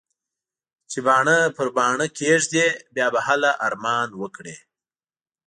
چې باڼه پر باڼه کېږدې؛ بيا به هله ارمان وکړې.